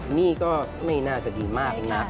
หนี้ก็ไม่น่าจะดีมากนัก